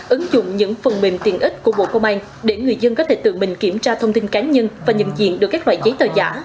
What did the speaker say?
ứng dụng những phần mềm tiện ích của bộ công an để người dân có thể tự mình kiểm tra thông tin cá nhân và nhận diện được các loại giấy tờ giả